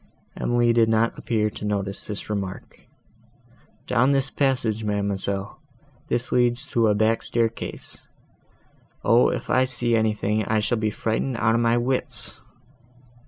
Emily did not appear to notice this remark. "Down this passage, ma'amselle; this leads to a back staircase. O! if I see anything, I shall be frightened out of my wits!"